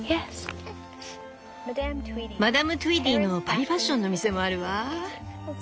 マダム・トゥイーディーのパリファッションの店もあるわ。